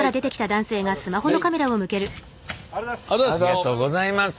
ありがとうございます。